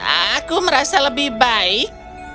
aku merasa lebih baik